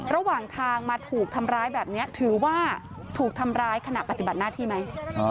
ระหว่างทางมาถูกทำร้ายแบบนี้ถือว่าถูกทำร้ายขณะปฏิบัติหน้าที่ไหม